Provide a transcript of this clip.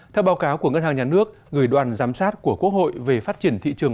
theo báo cáo của ngân hàng nhà nước người đoàn giám sát của quốc hội về phát triển thị trường